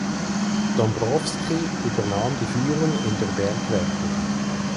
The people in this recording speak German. Dombrowski übernahm die Führung in der Bergwertung.